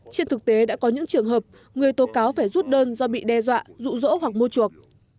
trên thực tế đã có những trường hợp người tố cáo phải rút đơn do bị đe dọa dụ dỗ hoặc mua chuộc